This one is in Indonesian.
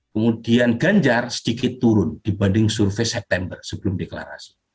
kemudian ganjar sedikit turun dibanding survei september sebelum deklarasi